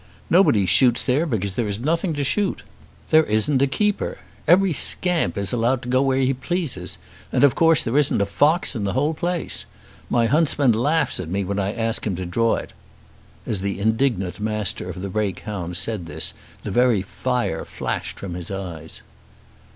Nobody shoots there because there is nothing to shoot. There isn't a keeper. Every scamp is allowed to go where he pleases, and of course there isn't a fox in the whole place. My huntsman laughs at me when I ask him to draw it." As the indignant Master of the Brake Hounds said this the very fire flashed from his eyes.